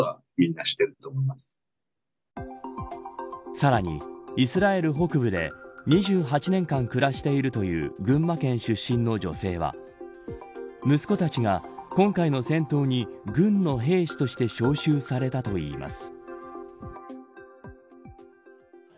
さらにイスラエル北部で２８年間暮らしているという群馬県出身の女性は息子たちが今回の戦闘に軍の兵士として招集されたといいます。